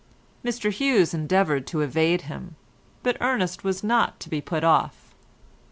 Mr Hughes endeavoured to evade him, but Ernest was not to be put off.